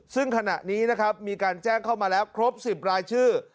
ซึ่งขณะนี้นะครับมีการแจ้งเข้ามาแล้วครบ๑๐รายชื่อ